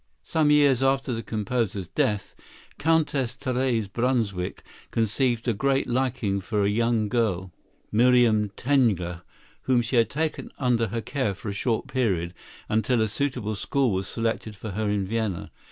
Some years after the composer's death, Countess Therese Brunswick conceived a great liking for a young girl, Miriam Tenger, whom she had taken under her care for a short period, until a suitable school was selected for her in Vienna.